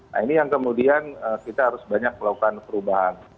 nah ini yang kemudian kita harus banyak melakukan perubahan